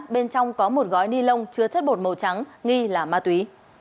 bên trong có một gói ni lông chứa chất bột màu trắng nghi là ma túy